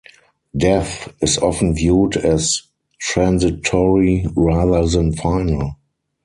Death is often viewed as transitory rather than final.